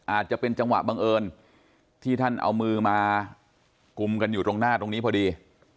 อาจจะเป็นจังหวะบังเอิญที่ท่านเอามือมากุมกันอยู่ตรงหน้าตรงนี้พอดี